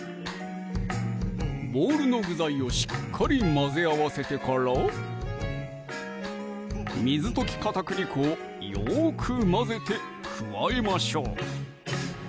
ボウルの具材をしっかり混ぜ合わせてから水溶き片栗粉をよく混ぜて加えましょう！